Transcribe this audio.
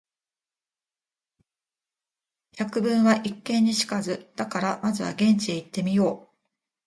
「百聞は一見に如かず」だから、まずは現地へ行ってみよう。